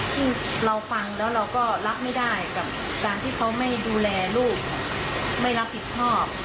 ที่เราฟังแล้วเราก็รับไม่ได้กับการที่เขาไม่ดูแลลูกไม่รับผิดชอบ